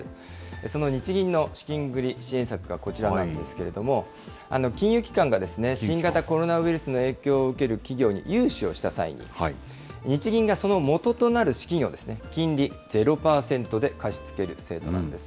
その日銀の資金繰り支援策がこちらなんですけれども、金融機関が新型コロナウイルスの影響を受ける企業に融資をした際に、日銀がその元となる資金を金利０％で貸し付ける制度なんです。